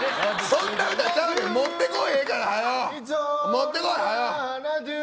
そんな歌ちゃうねん持ってこい、はよ。